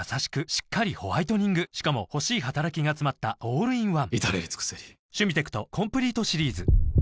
しっかりホワイトニングしかも欲しい働きがつまったオールインワン至れり尽せりいってらっしゃい！